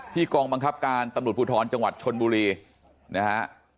ที่กรองบังคับการณ์ตำหนุดภูทรจังหวัดชลบุรีนะฮะ